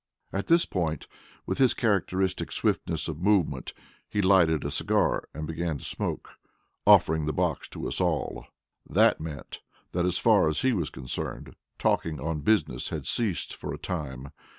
At this point, with his characteristic swiftness of movement, he lighted a cigar and began to smoke, offering the box to us all. That meant that, as far as he was concerned, talking on business had ceased for a time.